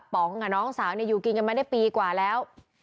ป๋องกับน้องสาวอยู่กินกันมาได้ปีกว่าแล้ว